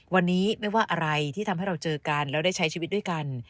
วันนี้ไม่ว่าอะไรที่ทำให้เราเจอกันแล้วได้ใช้ชีวิตด้วยกัน